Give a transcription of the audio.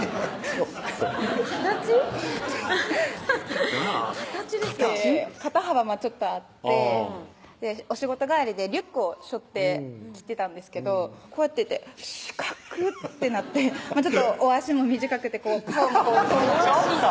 ちょっと形？なぁ形ですか肩幅ちょっとあってお仕事帰りでリュックをしょって来てたんですけどこうやってて四角ってなってちょっとお脚も短くて顔もちょっと！